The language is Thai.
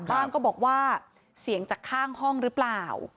บ้างก็บอกว่าเสียงจากข้างห้องหรือเปล่า